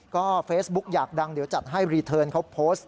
ก็เฟซบุ๊กอยากดังเดี๋ยวจัดให้รีเทิร์นเขาโพสต์